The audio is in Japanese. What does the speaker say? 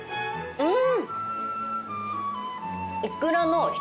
うん。